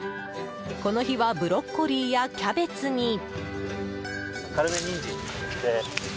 この日はブロッコリーやキャベツに。